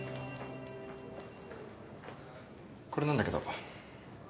これなんだけど。